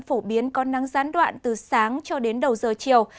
phổ biến có nắng gián đoạn từ sáng cho đến đầu giờ chiều